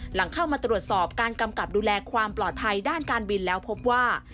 หลังเข้ามาตรวจสอบการกำกับดูแลความปลอดภัยด้านการบินแล้วพบว่า